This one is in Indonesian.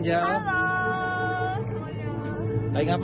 dari makassar ya